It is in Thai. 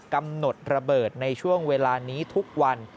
กำหนดระเบิดในช่วงเวลานี้ทุกวัน